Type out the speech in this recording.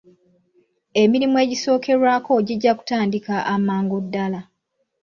Emirimu egisookerwako gijja kutandika amangu ddaala.